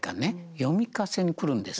読み聞かせに来るんです。